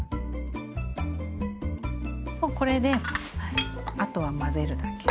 もうこれであとは混ぜるだけ。